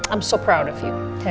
aku sangat bangga denganmu